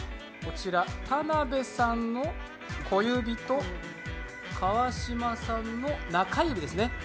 田辺さんの小指と川島さんの中指ですね。